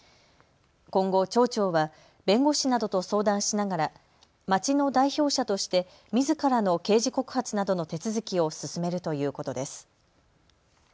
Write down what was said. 今後、町長は弁護士などと相談しながら町の代表者としてみずからの刑事告発などの手続きを進めるということです。